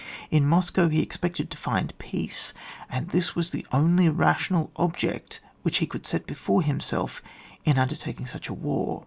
In Moscow he expected to find peace, and this was the only rational object which he could aet before himself in undertaking such a war.